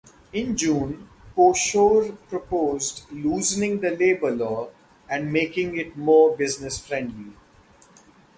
In June, Kosor proposed loosening the labor law and making it more business friendly.